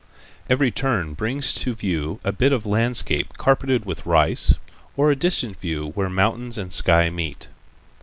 Every turn brings to view a bit of landscape carpeted with rice, or a distant view where mountains and sky meet.